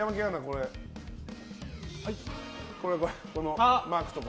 このマークとか。